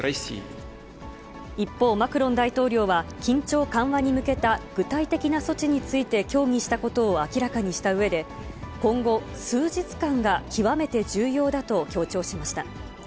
一方、マクロン大統領は緊張緩和に向けた具体的な措置について協議したことを明らかにしたうえで、今後数日間が極めて重要だと強調しました。